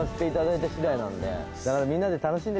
だから。